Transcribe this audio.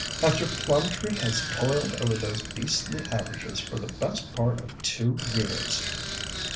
"After Plumtree has toiled over those beastly averages for the best part of two years!"